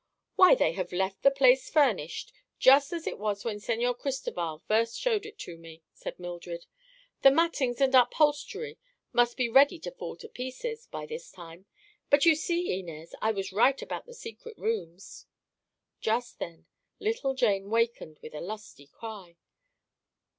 "Why, they have left the place furnished, just as it was when Señor Cristoval first showed it to me," said Mildred. "The mattings and upholstery must be ready to fall to pieces, by this time; but you see, Inez, I was right about the secret rooms." Just then little Jane wakened with a lusty cry.